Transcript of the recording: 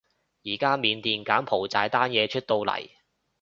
而家緬甸柬埔寨單嘢出到嚟